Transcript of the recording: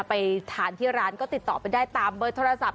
ไปทานที่ร้านก็ติดต่อไปได้ตามเบอร์โทรศัพท์